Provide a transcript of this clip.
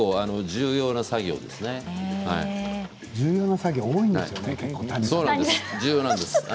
重要な作業が多いんですよね、結構、谷さんは。